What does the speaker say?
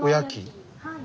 はい。